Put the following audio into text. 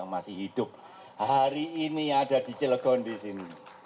masih hidup hari ini ada di cilegon di sini